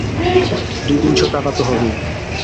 দুই তিন শ টাকা তো হবেই।